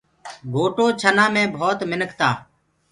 گھوٽو ڇنآ مي ڀوت منک تآ